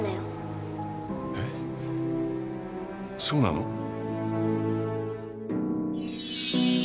そうなの？